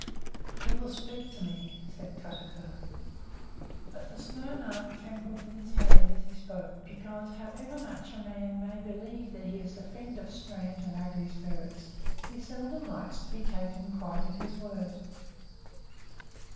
"He will speak to me," said Kotuko; but the snow knife trembled in his hand as he spoke, because however much a man may believe that he is a friend of strange and ugly spirits, he seldom likes to be taken quite at his word.